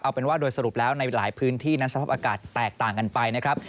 เอาเป็นว่าโดยสรุปแล้วในหลายพื้นที่นั้นสภาพอากาศแตกต่างกันไปนะครับ